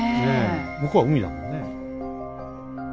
向こうは海だもんね。